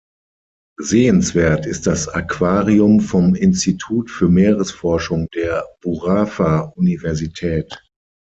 Sehenswert ist das Aquarium vom Institut für Meeresforschung der Burapha-Universität.